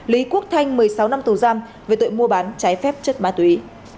lý quốc thanh một mươi sáu năm tù giam về tội mua bán trái phép chất ma túy